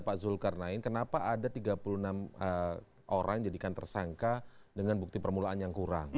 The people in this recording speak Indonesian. pak zulkarnain kenapa ada tiga puluh enam orang jadikan tersangka dengan bukti permulaan yang kurang